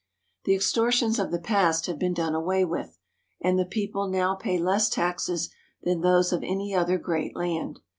The extortions of the past have been done away with, and the people now pay less taxes than those of any other great land.